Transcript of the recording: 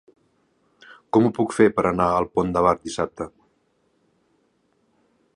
Com ho puc fer per anar al Pont de Bar dissabte?